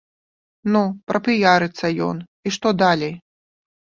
Ну, прапіярыцца ён, і што далей?